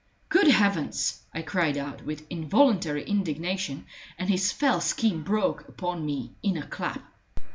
"Good heavens!" I cried out, with involuntary indignation, and his fell scheme broke upon me in a clap.